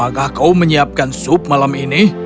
apakah kau menyiapkan sup malam ini